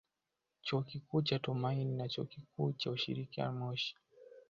Chuo Kikuu cha Tumaini na Chuo Kikuu cha Ushirika Moshi